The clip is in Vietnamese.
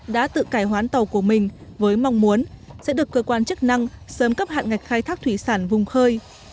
đã tự cải hoán tàu của mình với mong muốn sẽ được cơ quan chức năng sớm cấp hạn ngạch khai thác thủy sản vùng khơi